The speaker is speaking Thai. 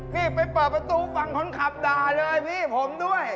นี่ไปเปิดประตูฝั่งคนขับด่าเลยพี่ผมด้วย